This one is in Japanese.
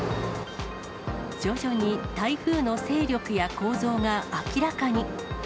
徐々に台風の勢力や構造が明らかに。